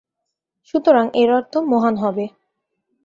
সুতরাং এর অর্থ "মহান" হবে।